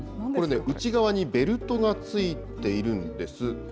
これね、内側にベルトがついているんです。